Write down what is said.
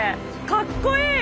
かっこいい！